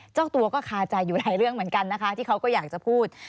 เจ้าตัวก็คาใจอยู่หลายเรื่องเหมือนกันนะคะที่เขาก็อยากจะพูด